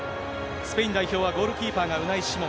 スペイン代表はゴールキーパーがウナイ・シモン。